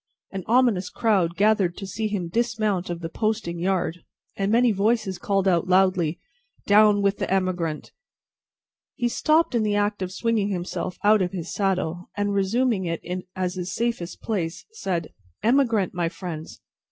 An ominous crowd gathered to see him dismount of the posting yard, and many voices called out loudly, "Down with the emigrant!" He stopped in the act of swinging himself out of his saddle, and, resuming it as his safest place, said: "Emigrant, my friends!